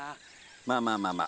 まあまあまあまあ